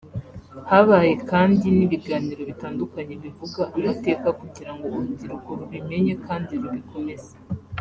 Habaye kandi n’ibiganiro bitandukanye bivuga amateka kugirango urubyiruko rubimenye kandi rubikomeze